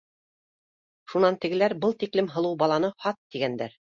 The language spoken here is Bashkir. Шунан тегеләр был тиклем һылыу баланы һат тигәндәр.